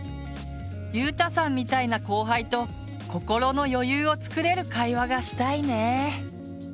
ゆうたさんみたいな後輩と心の余裕を作れる会話がしたいね。